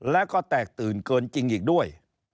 แล้วก็แตกตื่นเกินจริงอีกด้วย